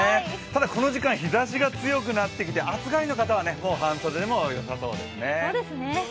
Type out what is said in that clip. ただ、この時間日ざしが強くなってきて、暑がりの方はもう半袖でもよさそうですね。